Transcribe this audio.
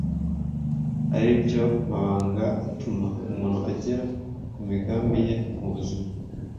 ari byo mabanga atuma umuntu agera ku migambi ye mu buzima.